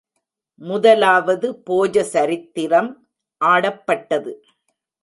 முதலாவது போஜ சரித்திரம் ஆடப்பட்டது.